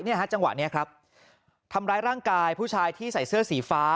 จังหวะนี้ครับทำร้ายร่างกายผู้ชายที่ใส่เสื้อสีฟ้า